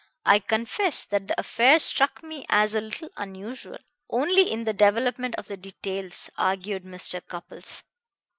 "I confess that the affair struck me as a little unusual." "Only in the development of the details," argued Mr. Cupples.